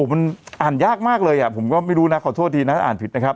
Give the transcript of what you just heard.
มันอ่านยากมากเลยอ่ะผมก็ไม่รู้นะขอโทษทีนะอ่านผิดนะครับ